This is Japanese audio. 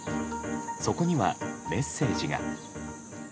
そこにはメッセージが。